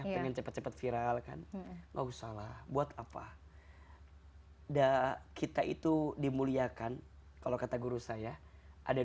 pengen cepet cepet viral kan mau salah buat apa ndak kita itu dimuliakan kalau kata guru saya ada